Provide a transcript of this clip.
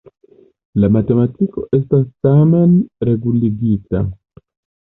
La gramatiko estas tamen reguligita.